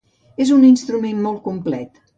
És un instrument molt complet.